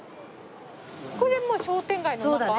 これもう商店街の中？